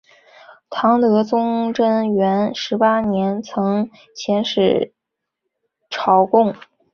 唐德宗贞元十八年曾遣使朝贡。